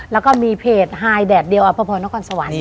แล้วก็มีเพจหายแดดเดียวอภพนกรสวรรณ